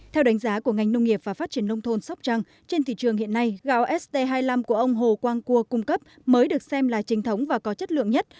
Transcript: theo đánh giá của ngành nông nghiệp và phát triển nông thôn sóc trăng trên thị trường hiện nay gạo st hai mươi năm của ông hồ quang cua cung cấp mới được xem là trình thống và có chất lượng nhất